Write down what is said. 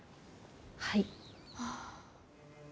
はい。